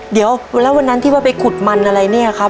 เดี๋ยวแล้ววันนั้นที่ว่าไปขุดมันอะไรเนี่ยครับ